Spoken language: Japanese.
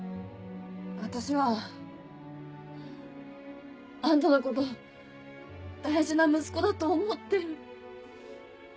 私はあんたのこと大事な息子だと思ってる。